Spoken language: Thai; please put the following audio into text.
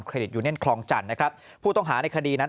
เครดิตยูเนนซ์คลองจันทร์นะครับผู้ต่องหาในคดีนะครับ